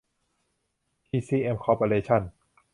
ทีซีเอ็ม คอร์ปอเรชั่น